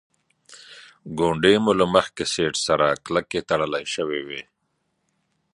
ګونډې مو له مخکې سیټ سره کلکې تړل شوې وې.